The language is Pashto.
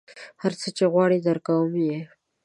هر څه چې غواړې درکوم یې.